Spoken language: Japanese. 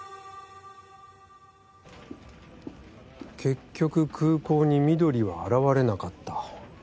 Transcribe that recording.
結局空港に翠は現れなかった。